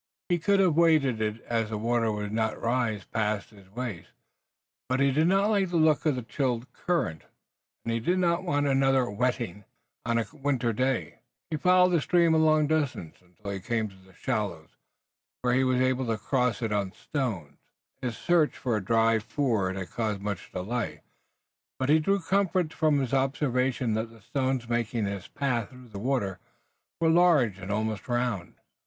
He could have waded it as the water would not rise past his waist, but he did not like the look of the chill current, and he did not want another wetting on a winter day. He followed the stream a long distance, until he came to shallows, where he was able to cross it on stones. His search for a dry ford had caused much delay, but he drew comfort from his observation that the stones making his pathway through the water were large and almost round.